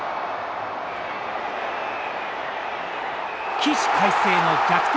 起死回生の逆転